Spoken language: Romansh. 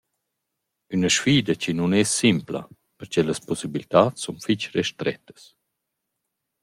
Üna sfida chi nun es simpla, perche las pussibiltats sun fich restrettas.